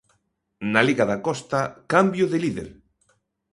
Na liga da Costa, cambio de líder.